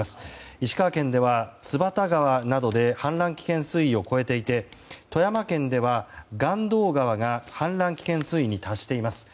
石川県では津幡川などで氾濫危険水位を超えていて富山県では岸渡川が氾濫危険水位に達しています。